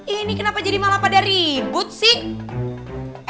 ini kenapa jadi malah pada ribut sih